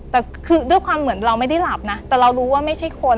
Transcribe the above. แต่คือด้วยความเหมือนเราไม่ได้หลับนะแต่เรารู้ว่าไม่ใช่คน